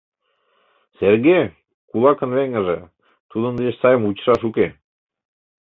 Серге — кулакын веҥыже, тудын деч сайым вучышаш уке.